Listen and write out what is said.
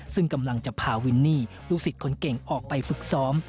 ซึ่งกำลังจะพาวินนี่ลูกศิษย์คนเก่งออกไปฝึกซ้อม